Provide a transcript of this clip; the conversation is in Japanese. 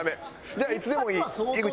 じゃあいつでもいい井口。